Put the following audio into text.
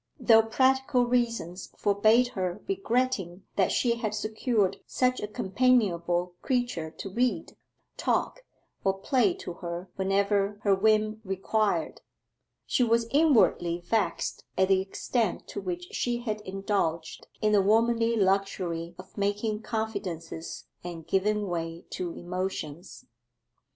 Though practical reasons forbade her regretting that she had secured such a companionable creature to read, talk, or play to her whenever her whim required, she was inwardly vexed at the extent to which she had indulged in the womanly luxury of making confidences and giving way to emotions.